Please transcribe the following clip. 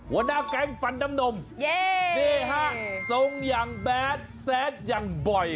หัวหน้าแก๊งฟันน้ำนมนี่ฮะทรงอย่างแบดแซดอย่างบ่อย